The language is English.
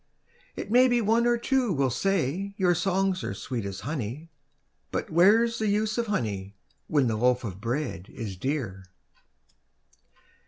It may be one or two will say your songs are sweet as honey, But where's the use of honey, when the loaf of bread is dear?